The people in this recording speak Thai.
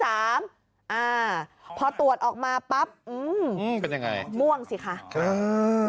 อ่าพอตรวจออกมาปั๊บอื้มม่วงสิค่ะอื้มเป็นยังไง